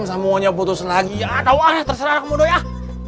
bisa muanya putus lagi ya tau ah terserah kamu doi ah